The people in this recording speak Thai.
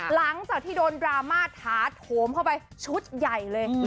หลังจากที่โดนดราม่าถาโถมเข้าไปชุดใหญ่เลย